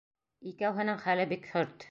Икәүһенең хәле бик хөрт.